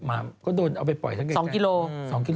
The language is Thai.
หมาก็ด้วยเอาไปปล่อยสองกิโลกรัม